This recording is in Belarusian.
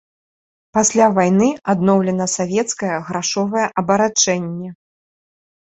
Пасля вайны адноўлена савецкае грашовае абарачэнне.